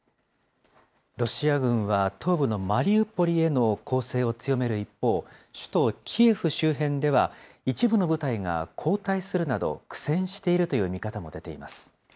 ロシア軍は東部のマリウポリへの攻勢を強める一方、首都キエフ周辺では、一部の部隊が後退するなど、苦戦しているという見方も出ています。